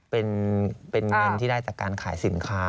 เป็นเงินที่ได้จากการขายสินค้า